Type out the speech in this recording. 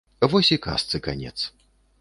Вось і казцы канец.